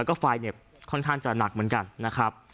ขอเข้าใจหน่อยนะครับ